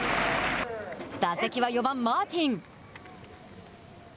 打席は４番マーティン。